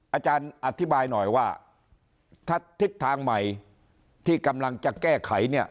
อาจารย์อธิบายหน่อยว่าถ้าทิศทางใหม่ที่กำลังจะแก้ไขเนี่ย